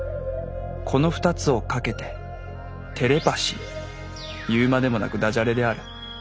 この２つをかけて言うまでもなくダジャレである。